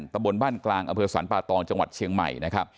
ตะบนบ้านกลางอเผือสรรปะตองจังหวัดเชียงใหม่